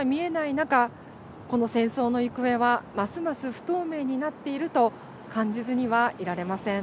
中この戦争の行方はますます不透明になっていると感じずにはいられません。